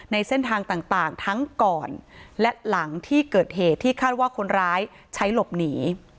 ในเส้นทางต่างทั้งก่อนและหลังที่เกิดเหตุที่คาดว่าคนร้ายใช้หลบหนี